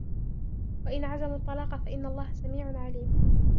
وإن عزموا الطلاق فإن الله سميع عليم